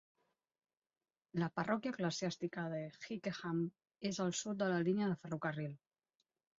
La parròquia eclesiàstica de Hykeham és al sud de la línia de ferrocarril.